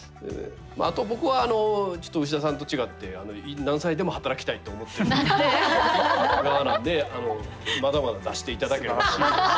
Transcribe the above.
あと僕はちょっと牛田さんと違って何歳でも働きたいって思ってる側なんでまだまだ出していただければと思います。